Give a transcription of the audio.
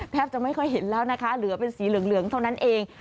จะไม่ค่อยเห็นแล้วนะคะเหลือเป็นสีเหลืองเท่านั้นเอง